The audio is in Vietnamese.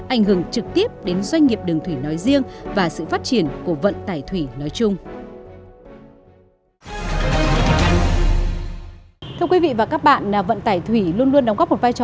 ảnh hưởng trực tiếp đến doanh nghiệp đường thủy nói riêng và sự phát triển của vận tải thủy nói chung